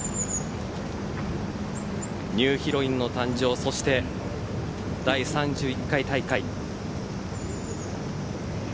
ニューヒロインの誕生そして第３１回大会。